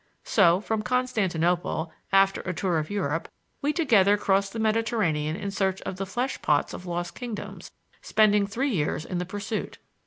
So, from Constantinople, after a tour of Europe, we together crossed the Mediterranean in search of the flesh pots of lost kingdoms, spending three years in the pursuit.